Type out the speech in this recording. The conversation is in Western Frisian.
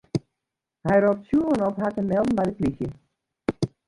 Hy ropt tsjûgen op har te melden by de plysje.